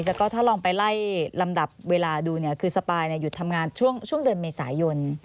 แล้วก็ถ้าลองไปไล่ลำดับเวลาดูเนี่ยคือสปายหยุดทำงานช่วงเดือนเมษายน